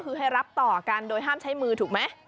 คือให้รับต่อกันโดยห้ามใช้มือถูกไหม